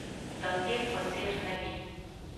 د تیر په څیر نه وي